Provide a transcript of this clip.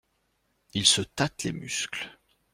Il se tâte les muscles.